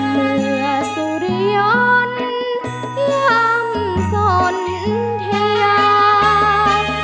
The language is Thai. เพื่อสุริยนต์ย่ำสนทยา